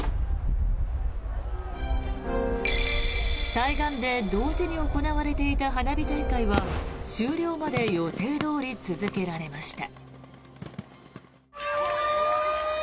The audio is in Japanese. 対岸で同時に行われていた花火大会は終了まで予定どおり続けられました。